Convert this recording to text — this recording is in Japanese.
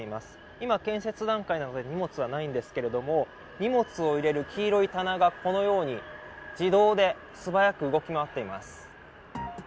今、建設段階なので荷物はないんですけれども荷物を入れる黄色い棚がこのように自動で素早く動き回っています。